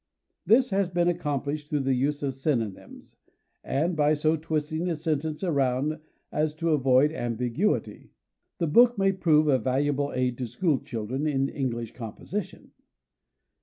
This has been accomplished through the use of synonyms; and, by so twisting a sentence around as to avoid ambiguity. The book may prove a valuable aid to school children in English composition.